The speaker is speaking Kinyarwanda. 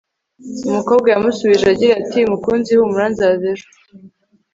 umukobwa yamusubije agira ati mukunzi humura nzaza ejo